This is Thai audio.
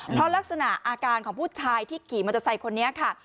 เพราะลักษณะอาการของผู้ชายที่ขี่มอเตอร์ไซค์คนนี้ค่ะ